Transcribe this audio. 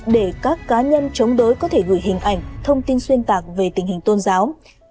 để các cá nhân chống đối có thể gửi hình ảnh thông tin xuyên tạc về tình hình tôn giáo